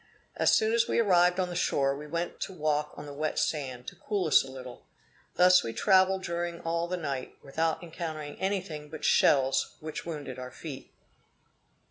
As soon as we arrived on the shore, we went to walk on the wet sand, to cool us a little. Thus we traveled during all the night, without encountering anything but shells, which wounded our feet.